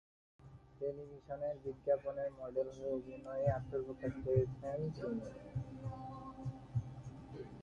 টেলিভিশনের বিজ্ঞাপনের মডেল হয়ে অভিনয়ে আত্মপ্রকাশ করেছিলেন তিনি।